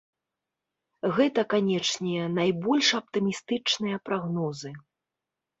Гэта, канечне, найбольш аптымістычныя прагнозы.